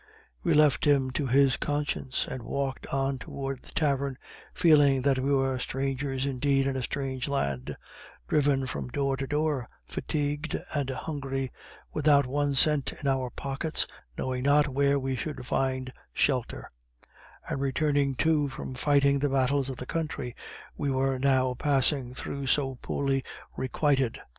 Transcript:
We left him to his conscience, and walked on toward the tavern, feeling that we were strangers indeed in a strange land, driven from door to door, fatigued and hungry, without one cent in our pockets, knowing not where we should find shelter; and returning too from fighting the battles of the country we were now passing through so poorly requited.